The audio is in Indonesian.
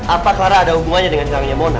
apa clara ada hubungannya dengan cahayanya mona